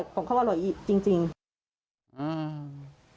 ผมเขาก็รอดอีกจริง